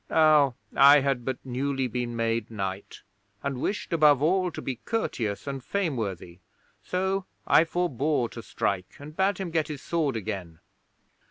Now I had but newly been made knight, and wished, above all, to be courteous and fameworthy, so I forbore to strike and bade him get his sword again.